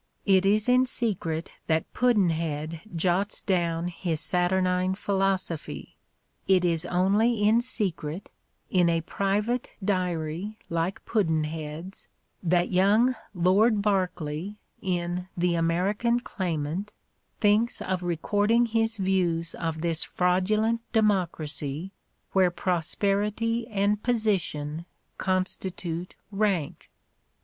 It is in secret that Pudd'nhead jots down his saturnine philosophy; it is only in secret, in a private diary like Pudd'nhead 's, that young Lord Berkeley, in "The American Claim ant," thinks of recording his views of this fraudulent democracy where "prosperity and position constitute rank."